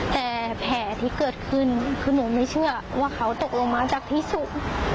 แต่แผลที่เกิดขึ้นคือหนูไม่เชื่อว่าเขาตกลงมาจากที่สูง